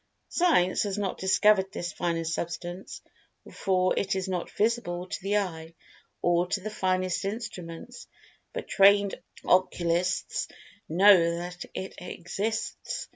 Science has not discovered this finer Substance, for it is not visible to the eye, or to the finest instruments, but trained Occulists know that it exists.